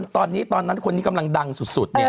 ตอนนั้นคนนี้กำลังดังสุดเนี่ย